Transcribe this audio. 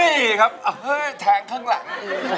นี่ครับแทงข้างหลัง